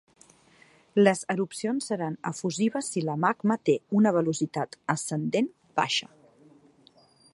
Les erupcions seran efusives si la magma té una velocitat ascendent baixa.